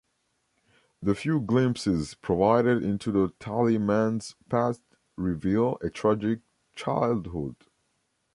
The few glimpses provided into the Tally Man's past reveal a tragic childhood.